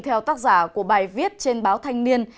theo tác giả của bài viết trên báo thanh niên